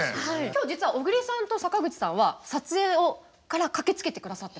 今日実は小栗さんと坂口さんは撮影から駆けつけてくださってます。